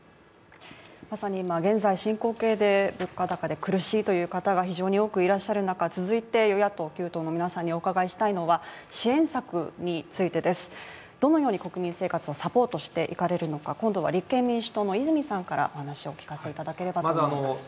まさに今現在進行形で物価高で苦しいという方が非常に多くいらっしゃる中、続いて与野党９党の皆さんにお伺いしたいのは、支援策についてです、どのように国民生活をサポートしていかれるのか、今度は立憲民主党の泉さんからお話をお聞かせいただければと思います。